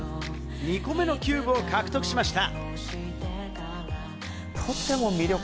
２個目のキューブを獲得しました。